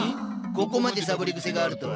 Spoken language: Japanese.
ここまでサボりぐせがあるとは！